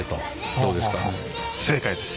どうですか？